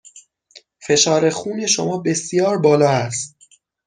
فشار خون شما بسیار بالا است.